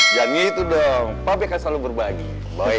jangan gitu dong papi kan selalu berbagi baik happy maupun tidak